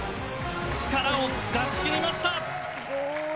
力を出し切りました。